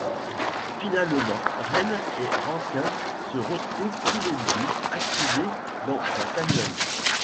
Finalement, Rem et Rankin se retrouvent tous les deux acculés dans un canyon.